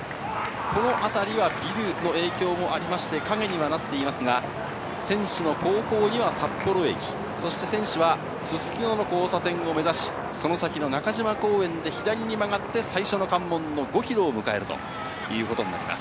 この辺りはビルの影響もありまして、陰にはなっていますが、選手の後方には札幌駅、そして選手はすすきのの交差点を目指し、その先の中島公園で左に曲がって、最初の関門の５キロを迎えるということになります。